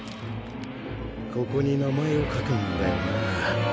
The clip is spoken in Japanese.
ここに名前を書くんだよな。